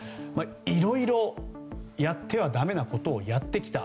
いろいろ、やってはだめなことをやってきた。